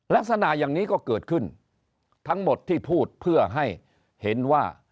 ลักษณะอย่างนี้ก็เกิดขึ้นทั้งหมดที่พูดเพื่อให้เห็นว่า